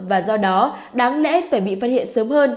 và do đó đáng lẽ phải bị phát hiện sớm hơn